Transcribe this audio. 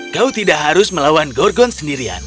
kau tidak harus melawan gorgon sendirian